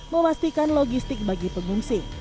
memastikan logistik bagi pengungsi